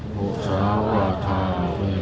อธินาธาเวระมะนิสิขาปะทังสมาธิยามี